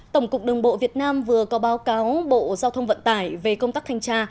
tổng cục đường bộ việt nam vừa có báo cáo bộ giao thông vận tải về công tác thanh tra